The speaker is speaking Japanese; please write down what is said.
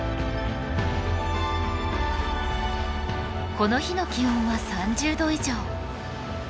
この日の気温は３０度以上。